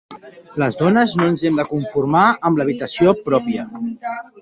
Les dones no ens hem de conformar amb ‘l’habitació pròpia’.